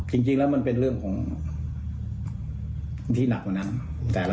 ห้องไหนมีอาการ